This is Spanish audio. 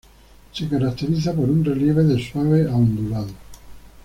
Se caracteriza por un relieve de suave a ondulado.